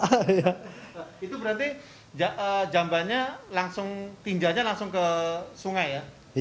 itu berarti jambannya langsung tinjanya langsung ke sungai ya